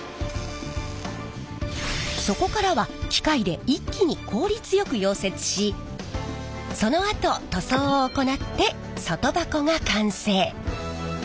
そこからは機械で一気に効率よく溶接しそのあと塗装を行って外箱が完成。